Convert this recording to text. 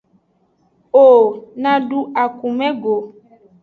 O na du akume go.